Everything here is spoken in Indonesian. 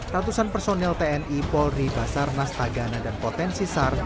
ratusan personel tni polri basar nastagana dan potensi sar